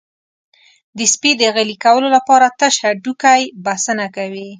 د سپي د غلي کولو لپاره تش هډوکی بسنه کوي.